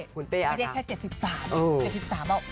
คุณเต้เอาล่ะค่ะ